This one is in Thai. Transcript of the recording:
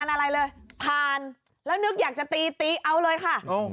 อะไรเลยผ่านแล้วนึกอยากจะตีตีเอาเลยค่ะ